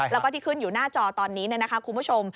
แล้วก็ที่ขึ้นอยู่หน้าจอตอนนี้นะคะคุณผู้ชม